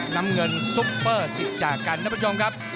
นำเงินซุปเปอร์๑๐จากกันนะครับ